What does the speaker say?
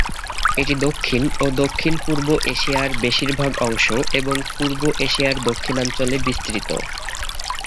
এটি দক্ষিণ ও দক্ষিণ-পূর্ব এশিয়ার বেশিরভাগ অংশ এবং পূর্ব এশিয়ার দক্ষিণাঞ্চলে বিস্তৃত।